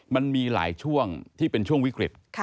มันมีหลายช่วงที่เป็นช่วงวิกฤต